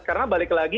karena balik lagi